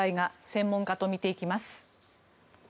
専門家と見ていきます。